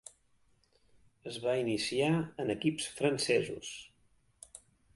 Es va iniciar en equips francesos.